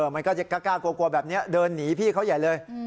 มันก็จะกล้ากลัวแบบนี้เดินหนีพี่เขาใหญ่เลย